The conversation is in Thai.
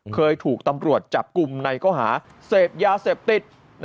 เคยถูกตำรวจจับกลุ่มในข้อหาเสพยาเสพติด